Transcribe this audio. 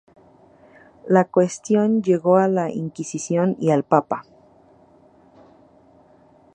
La cuestión llegó a la inquisición y al papa.